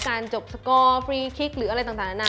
การจบสกอร์ฟรีคิกหรืออะไรต่างนั้นนะ